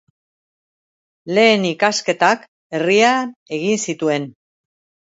Lehen ikasketak herrian egin zituen.